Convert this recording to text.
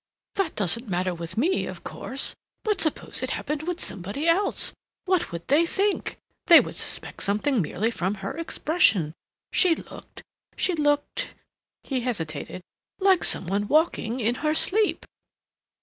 "That doesn't matter with me, of course, but suppose it happened with somebody else? What would they think? They would suspect something merely from her expression. She looked—she looked"—he hesitated—"like some one walking in her sleep."